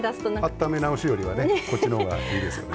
あっため直すよりはこっちのほうがいいですね。